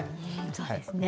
そうですね。